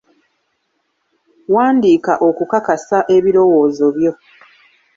Wandiika okukakasa ebirowoozo byo.